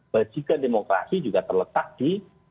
bajikan demokrasi juga terletak di